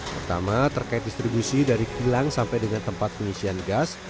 pertama terkait distribusi dari kilang sampai dengan tempat pengisian gas